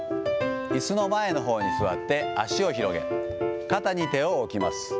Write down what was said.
いすの前のほうに座って足を広げ、肩に手を置きます。